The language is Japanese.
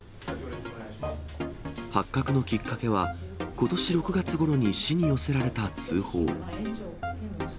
発覚のきっかけは、ことし６月ごろに市に寄せられた通報。